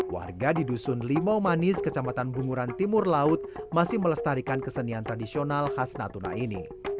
warga di dusun limau manis kecamatan bunguran timur laut masih melestarikan kesenian tradisional khas natuna ini